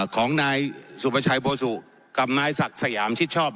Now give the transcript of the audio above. ของนายสุประชัยโบสุกับนายศักดิ์สยามชิดชอบ